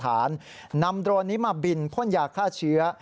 นำโดรนนี้มาบินพ่นยาฆ่าเชื้อ